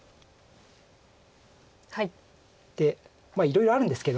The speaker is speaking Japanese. でまあいろいろあるんですけど。